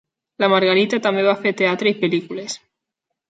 La Margarita també va fer teatre i pel·lícules.